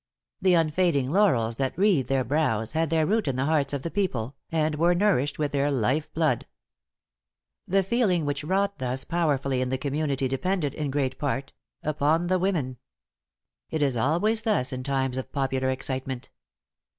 The unfading laurels that wreathe their brows had their root in the hearts of the people, and were nourished with their life blood. The feeling which wrought thus powerfully in the community depended, in great part; upon the women. It is always thus in times of popular excitement.